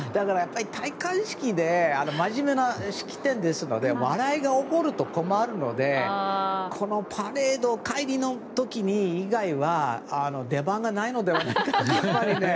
戴冠式で、真面目な式典ですので笑いが起こると困るのでこのパレード、帰りの時以外は出番がないのではないかなと。